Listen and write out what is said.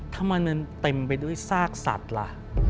แต่งไปด้วยซากสัตว์ละ